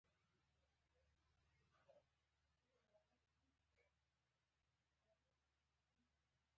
افغانستان د قومونه په برخه کې نړیوال شهرت لري.